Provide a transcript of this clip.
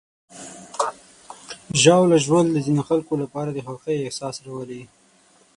ژاوله ژوول د ځینو خلکو لپاره د خوښۍ احساس راولي.